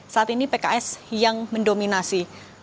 saat ini pks yang mendominasi